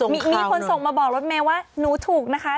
มีคนส่งมาบอกรถเมย์ว่าหนูถูกนะคะ